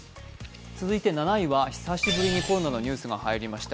続いて７位は久しぶりにコロナのニュースが入りました。